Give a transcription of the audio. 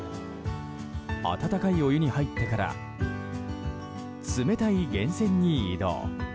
温かいお湯に入ってから冷たい源泉に移動。